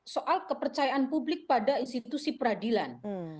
soal kepercayaan publik pada institusi peradilan